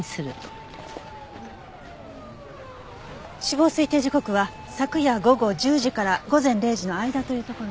死亡推定時刻は昨夜午後１０時から午前０時の間というところね。